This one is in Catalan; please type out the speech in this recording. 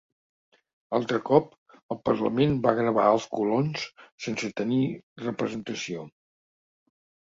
Un altre cop, el parlament va gravar els colons sense tenir representació.